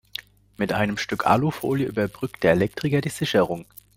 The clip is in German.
Mit einem Stück Alufolie überbrückte der Elektriker die Sicherung.